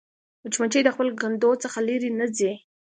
مچمچۍ د خپل کندو څخه لیرې نه ځي